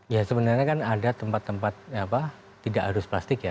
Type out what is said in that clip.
ya sebenarnya kan ada tempat tempat tidak harus plastik ya